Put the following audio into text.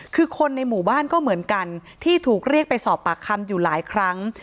คือคนในหมู่บ้านก็เหมือนกันที่ถูกเรียกไปสอบปากคำอยู่หลายครั้ง